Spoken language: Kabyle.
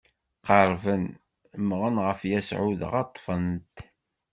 Qerrben, mmɣen ɣef Yasuɛ dɣa ṭṭfen-t.